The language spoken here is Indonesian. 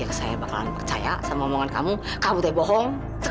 masa ngejep laganya dasar kuntilanak